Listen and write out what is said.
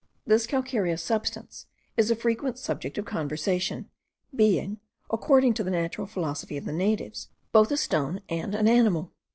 This calcareous substance is a frequent subject of conversation: being, according to the natural philosophy of the natives, both a stone and an animal.